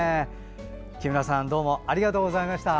木村さんどうもありがとうございました。